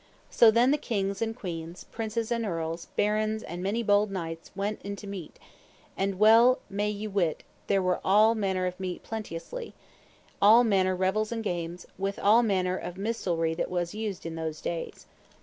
So then the kings and queens, princes and earls, barons and many bold knights, went unto meat; and well may ye wit there were all manner of meat plenteously, all manner revels and games, with all manner of minstrelsy that was used in those days.